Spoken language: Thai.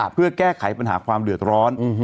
เพื่อแก้ไขปัญหาความเดือดร้อน